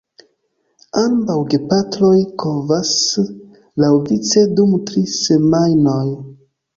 Ambaŭ gepatroj kovas laŭvice dum tri semajnoj.